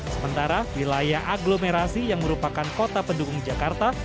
sementara wilayah agglomerasi yang merupakan kota pendukung jakarta